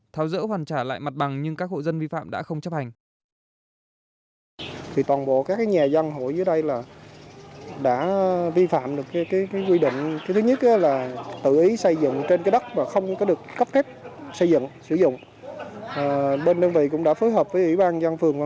tháo dỡ hoàn trả lại mặt bằng nhưng các hộ dân vi phạm đã không chấp hành